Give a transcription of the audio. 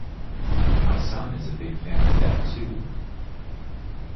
My son is a big fan of that too.